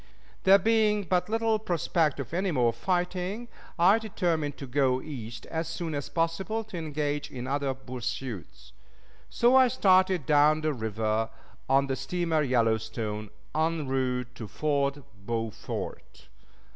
There being but little prospect of any more fighting, I determined to go East as soon as possible to engage in other pursuits. So I started down the river on the steamer Yellowstone, en route to Fort Beaufort.